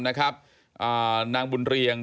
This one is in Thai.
นางบุญเรียง